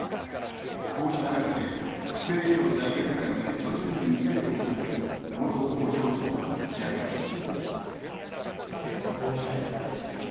こうした中で、不正への罪悪感が徐々に薄れていったと元工場長は打ち明けました。